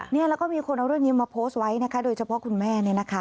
เนี่ยแล้วก็มีคนเอาเรื่องนี้มาโพสต์ไว้นะคะโดยเฉพาะคุณแม่เนี่ยนะคะ